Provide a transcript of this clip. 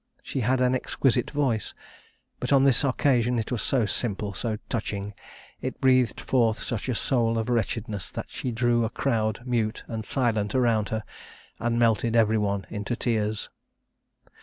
She had an exquisite voice; but on this occasion it was so simple, so touching, it breathed forth such a soul of wretchedness, that she drew a crowd mute and silent around her, and melted every one into tears.